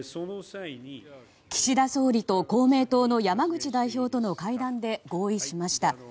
岸田総理と公明党との山口代表との会談で合意しました。